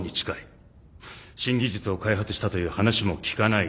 新技術を開発したという話も聞かない。